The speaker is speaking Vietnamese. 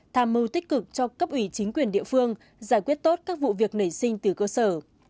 tham mưu tích cực cho cấp ủy chính quyền địa phương giải quyết tốt các vụ việc nảy sinh từ cơ sở